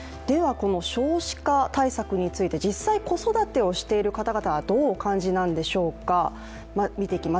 この少子化対策について実際子育てをしている方々はどうお感じなんでしょうか、見ていきます。